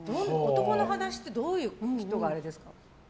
男の肌質ってどういう人があれですか？